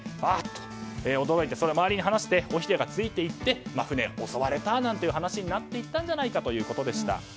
と驚いてそれを周りに話して尾ひれがついていって船が襲われたという話になっていったんじゃないかということでした。